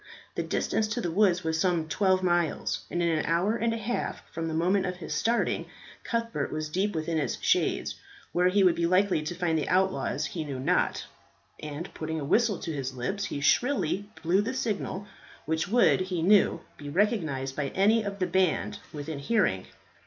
The distance to the woods was some twelve miles, and in an hour and a half from the moment of his starting Cuthbert was deep within its shades. Where he would be likely to find the outlaws he knew not; and, putting a whistle to his lips, he shrilly blew the signal, which would, he knew, be recognized by any of the band within hearing.